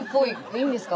いいんですか？